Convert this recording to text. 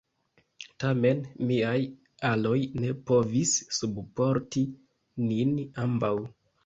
Tamen, miaj aloj ne povis subporti nin ambaŭ.